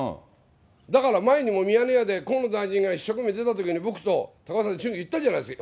だから前にもミヤネ屋で、河野大臣が出たときに僕と高岡さんで言ったじゃないですか？